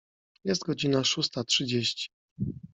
Jest godzina szósta trzydzieści.